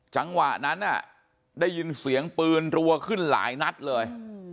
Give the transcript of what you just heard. จังหวะนั้นได้ยินเสียงปืนรัวขึ้นหลายนัดเลย